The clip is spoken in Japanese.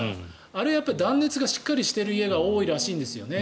あれは断熱がしっかりしてる家が多いみたいなんですね。